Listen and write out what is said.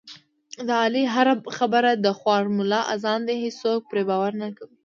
د علي هره خبره د خوار ملا اذان دی، هېڅوک پرې باور نه کوي.